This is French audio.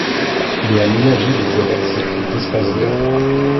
Il est aménagé de voies d’accès et d’espaces verts.